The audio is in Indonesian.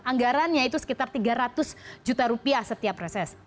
anggarannya itu sekitar tiga ratus juta rupiah setiap reses